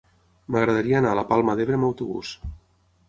M'agradaria anar a la Palma d'Ebre amb autobús.